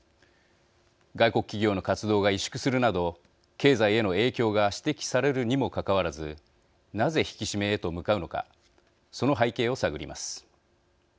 外国企業の活動が萎縮するなど経済への影響が指摘されるにもかかわらずなぜ引き締めへと向かうのかその背景を探ります。